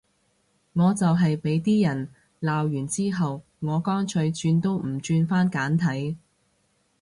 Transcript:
我就係畀啲人鬧完之後，我乾脆轉都唔轉返簡體